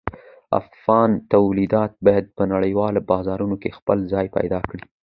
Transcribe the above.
افغان تولیدات باید په نړیوالو بازارونو کې خپل ځای پیدا کړي.